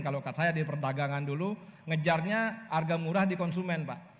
kalau kata saya di perdagangan dulu ngejarnya harga murah di konsumen pak